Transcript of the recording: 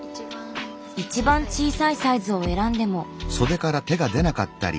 一番小さいサイズを選んでも。